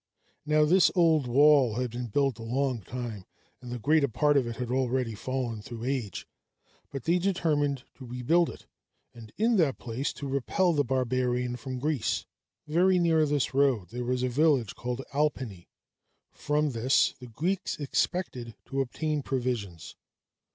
Now this old wall had been built a long time, and the greater part of it had already fallen through age; but they determined to rebuild it, and in that place to repel the barbarian from Greece. Very near this road there is a village called Alpeni; from this the Greeks expected to obtain provisions.